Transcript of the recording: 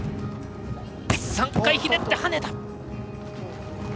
３回ひねって、はねた。